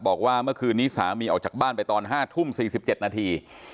บอกว่าเมื่อคืนนี้สามีออกจากบ้านไปตอน๕ทุ่ม๔๗นาที